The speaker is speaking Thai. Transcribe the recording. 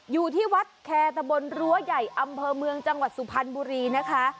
อยู่ที่วัดแคร์ตะบนรั้วใหญ่อำเภอเมืองจังหวัดสุพรรณบุรีนะคะ